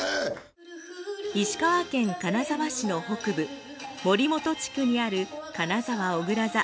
石川県金沢市の北部森本地区にある金沢おぐら座。